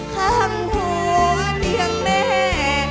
ข้างหัวเตียงแม่